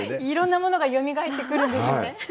いろんなものがよみがえってくるんですね。